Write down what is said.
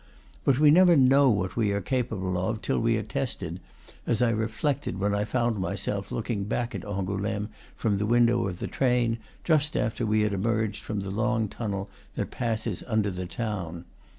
But we never know what we are capable of till we are tested, as I reflected when I found myself looking back at Angouleme from the window of the train, just after we had emerged from the long tunnel that passes under the town.